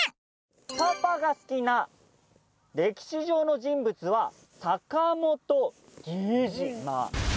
パパが好きな歴史上の人物は坂本ゲジ馬。